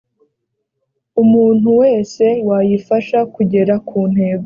umuntu wese wayifasha kugera ku ntego